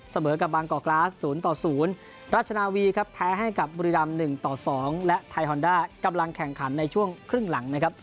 เสมอกับบางกอกกราศ๐ต่อ๐ราชนาวีครับแพ้ให้กับบุรีรำ๑ต่อ๒และไทยฮอนด้ากำลังแข่งขันในช่วงครึ่งหลังนะครับ